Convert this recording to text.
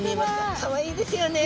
かわいいですよね。